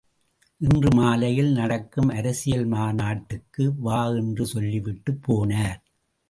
இன்று மாலையில் நடக்கும் அரசியல் மாநாட்டுக்கு வா என்று சொல்லிவிட்டுப் போனார்.